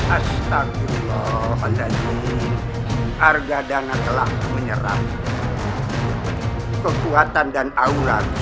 astagfirullahaladzim argadana telah menyerap kekuatan dan aura